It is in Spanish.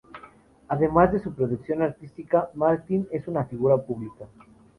Además de su producción artística, Martin es una figura pública.